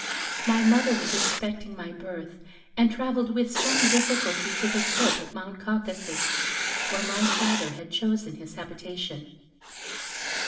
My mother was expecting my birth, and travelled with some difficulty to the foot of Mount Caucasus, where my father had chosen his habitation.